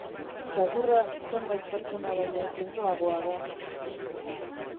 Txakurra zenbait pertsona baino zintzoagoa da.